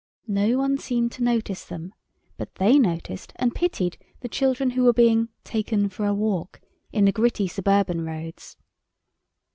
No one seemed to notice them, but they noticed and pitied the children who were being "taken for a walk" in the gritty suburban roads.